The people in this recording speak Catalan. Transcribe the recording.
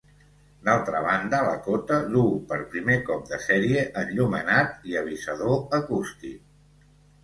D'altra banda, la Cota duu per primer cop de sèrie enllumenat i avisador acústic.